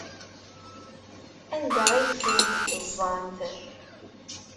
Anda ay tent-teẓẓamt?